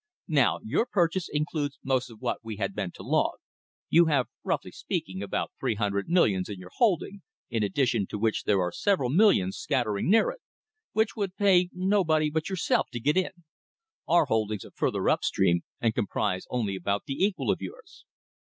Now your purchase includes most of what we had meant to log. You have, roughly speaking, about three hundred millions in your holding, in addition to which there are several millions scattering near it, which would pay nobody but yourself to get in. Our holdings are further up stream, and comprise only about the equal of yours."